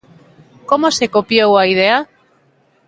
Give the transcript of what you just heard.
Como se copiou a idea?